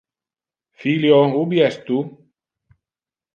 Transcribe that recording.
Filio, ubi es tu?